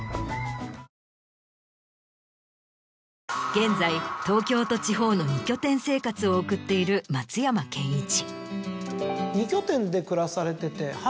現在東京と地方の二拠点生活を送っている松山ケンイチ。